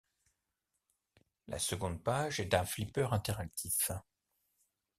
La seconde page est un flipper interactif.